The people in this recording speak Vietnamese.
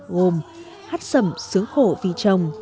gồm hát sầm sướng khổ vì chồng